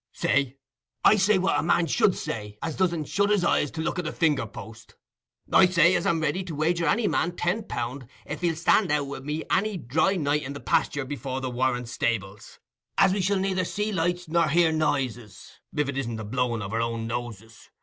"Say? I say what a man should say as doesn't shut his eyes to look at a finger post. I say, as I'm ready to wager any man ten pound, if he'll stand out wi' me any dry night in the pasture before the Warren stables, as we shall neither see lights nor hear noises, if it isn't the blowing of our own noses.